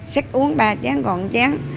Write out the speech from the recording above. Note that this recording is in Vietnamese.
xích uống ba chén còn một chén